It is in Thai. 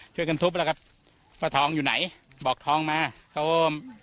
ช่วยกันทุบแล้วครับว่าทองอยู่ไหนบอกทองมาเขาก็